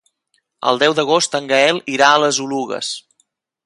El deu d'agost en Gaël irà a les Oluges.